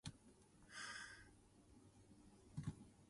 大隻雞慢啼